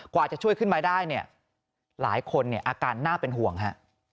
กว่าจะช่วยขึ้นมาได้เนี่ยหลายคนเนี่ยอาการน่าเป็นห่วงฮะ